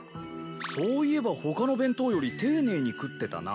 そういえば他の弁当より丁寧に食ってたな。